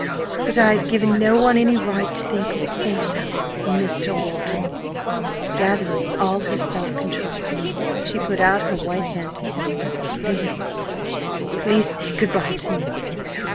But I have given no one any right to think so or say so. Mr. Wharton " Gathering all her self control, she put out her white hand to him. "Please please say good bye to me.